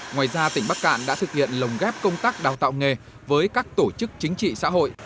ngoài ra tỉnh bắc cạn đã thực hiện lồng ghép công tác đào tạo nghề với các tổ chức chính trị xã hội